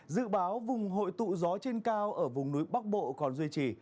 dự báo vùng hội tụ gió trên cao ở vùng núi bắc bộ còn duy trì